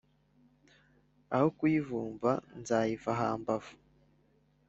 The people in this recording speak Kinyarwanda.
aho kuyivumba nzayiva hambavu!